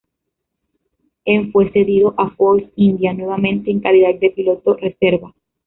En fue cedido a Force India, nuevamente en calidad de piloto reserva.